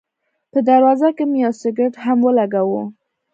په دروازه کې مې یو سګرټ هم ولګاوه.